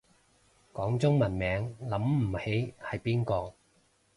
講中文名諗唔起係邊個